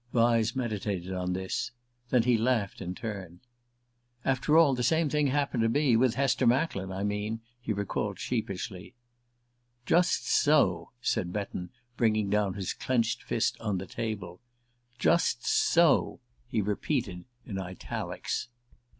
Vyse meditated on this; then he laughed in turn. "After all, the same thing happened to me with 'Hester Macklin,' I mean," he recalled sheepishly. "Just so," said Betton, bringing down his clenched fist on the table. "_ Just so_," he repeated, in italics.